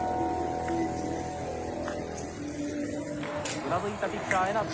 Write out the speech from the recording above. うなずいたピッチャー江夏。